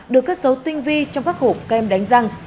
được cất dấu tinh vi trong các hộp kem đánh răng